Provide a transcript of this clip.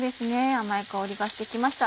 甘い香りがしてきました。